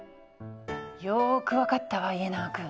よく分かったわ家長君。